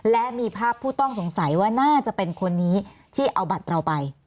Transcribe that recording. และมีภาพผู้ต้องสงสัยว่าน่าจะเป็นคนนี้ที่เอาบัตรเราไป